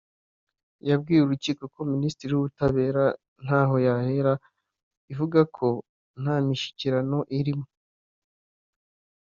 yabwiye urukiko ko Minisitiri w’ubutabera ntaho yahera ivuga ko nta mishyikirano iriho